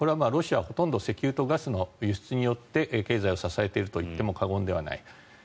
ロシアはほとんど石油とガスの輸出によって経済を支えているといっても過言ではない。